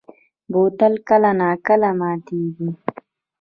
بوتل کله نا کله ماتېږي.